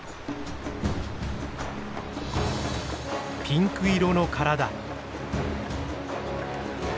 ピンク色の体。